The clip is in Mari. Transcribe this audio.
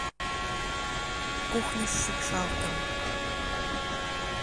Кухньыш шикшалтым.